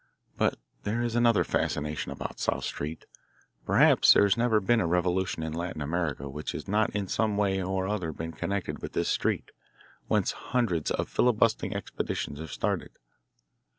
But there is another fascination about South Street. Perhaps there has never been a revolution in Latin America which has not in some way or other been connected with this street, whence hundreds of filibustering expeditions have started.